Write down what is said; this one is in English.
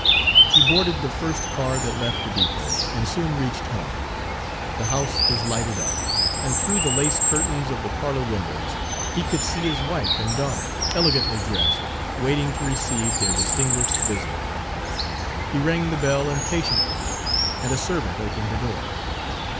He boarded the first car that left the depot, and soon reached home. The house was lighted up, and through the lace curtains of the parlor windows he could see his wife and daughter, elegantly dressed, waiting to receive their distinguished visitor. He rang the bell impatiently, and a servant opened the door.